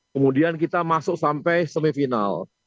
kemudian kita masuk sampai semifinal